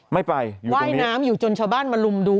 ไม่ไปอยู่ตรงนี้ว่ายน้ำอยู่จนชาวบ้านมาลุมดู